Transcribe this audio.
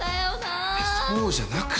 いやそうじゃなくて。